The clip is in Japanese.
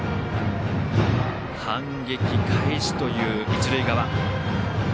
反撃開始という一塁側。